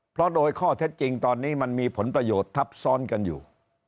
เพราะโดยข้อเท็จจริงตอนนี้มันมีผลประโยชน์ทับซ้อนกันอยู่